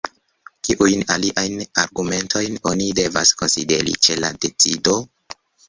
Kiujn aliajn argumentojn oni devos konsideri ĉe la decido?